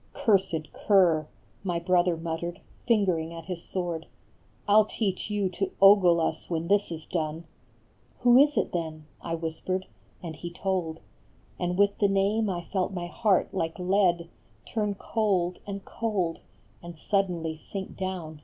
" Cursed cur," My brother muttered, fingering at his sword, " I 11 teach you to ogle us when this is done !" "Who is it, then?" I whispered, and he told; And with the name I felt my heart like lead Turn cold and cold and suddenly sink down.